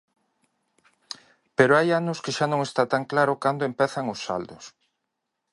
Pero hai anos que xa non está tan claro cando empezan os saldos.